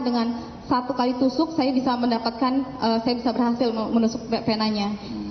dengan satu kali tusuk saya bisa mendapatkan saya bisa berhasil menusuk venanya